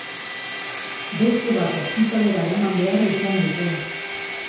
Beste bat ospitalera eraman behar izan dute.